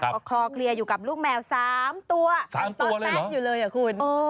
ก็คลอกเรียนอยู่กับลูกแมวสามตัวตอนตั้งอยู่เลยหรอคุณ